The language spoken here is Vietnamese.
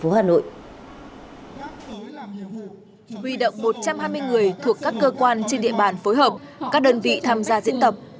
huy động một trăm hai mươi người thuộc các cơ quan trên địa bàn phối hợp các đơn vị tham gia diễn tập